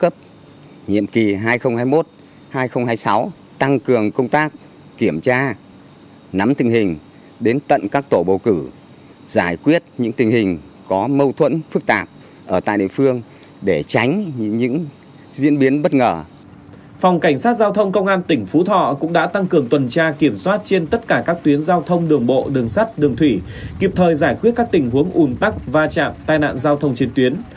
phòng cảnh sát giao thông công an tỉnh phú thọ cũng đã tăng cường tuần tra kiểm soát trên tất cả các tuyến giao thông đường bộ đường sắt đường thủy kịp thời giải quyết các tình huống ùn tắc va chạm tai nạn giao thông trên tuyến